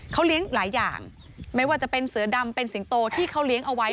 เขาเลี้ยงหลายอย่างไม่ว่าจะเป็นเสือดำเป็นสิงโตที่เขาเลี้ยงเอาไว้